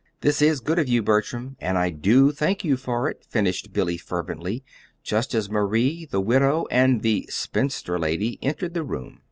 This IS good of you, Bertram, and I do thank you for it," finished Billy, fervently, just as Marie, the widow, and the "spinster lady" entered the room.